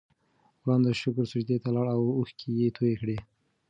غلام د شکر سجدې ته لاړ او اوښکې یې تویې کړې.